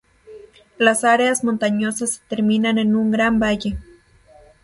Las áreas montañosas se terminan en un gran valle.